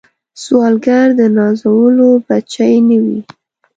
سوالګر د نازولو بچي نه وي